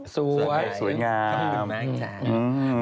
สวยงาม